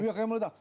iya kayak meledak